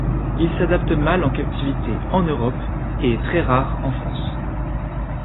Il s'adapte mal en captivité en Europe et est très rare en France.